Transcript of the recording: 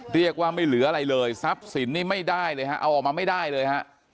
เรียกว่าไม่เหลืออะไรเลยทรัพย์สินนี่ไม่ได้เลยฮะเอาออกมาไม่ได้เลยฮะ